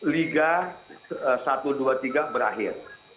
liga satu dua tiga berakhir